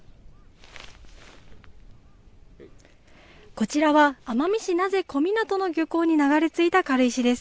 こちらは、奄美市名瀬小湊の漁港に流れ着いた軽石です。